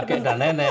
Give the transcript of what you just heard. bagi kakek dan nenek